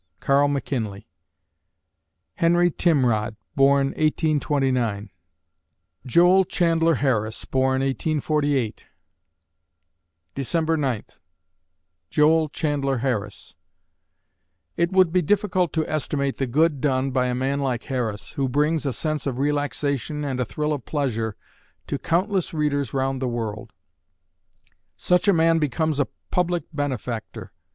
CARL MCKINLEY Henry Timrod born, 1829 Joel Chandler Harris born, 1848 December Ninth JOEL CHANDLER HARRIS It would be difficult to estimate the good done by a man like Harris, who brings a sense of relaxation and a thrill of pleasure to countless readers round the world. Such a man becomes a public benefactor.